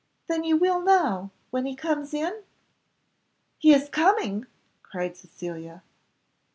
"Then you will now when he comes in?" "He is coming!" cried Cecilia.